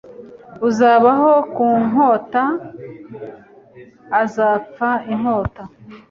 Uzabaho ku nkota azapfa inkota.